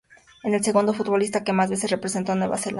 Es el segundo futbolista que más veces representó a Nueva Zelanda.